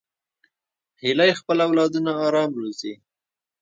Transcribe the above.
هیلۍ خپل اولادونه آرام روزي